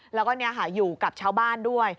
แล้วก็อยู่กับชาวบ้านด้วย